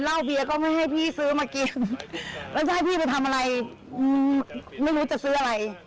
เบียร์ก็ไม่ให้พี่ซื้อมากินแล้วจะให้พี่ไปทำอะไรไม่รู้จะซื้ออะไร